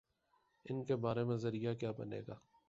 ان کے بارے میں ذریعہ کیا بنے گا؟